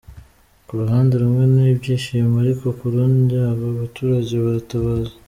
Ku ruhande rumwe ni ibyishimo, ariko ku rundi aba baturage baratabaza.